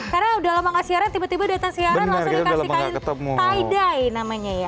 karena udah lama nggak siaran tiba tiba datang siaran langsung dikasih kain taidai namanya ya